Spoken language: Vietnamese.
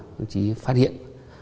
đồng chí phát hiện